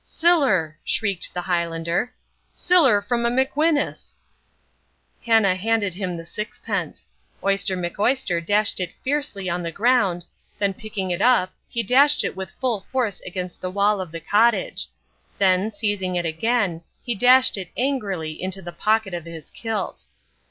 "Siller!" shrieked the Highlander. "Siller from a McWhinus!" Hannah handed him the sixpence. Oyster McOyster dashed it fiercely on the ground, then picking it up he dashed it with full force against the wall of the cottage. Then, seizing it again he dashed it angrily into the pocket of his kilt.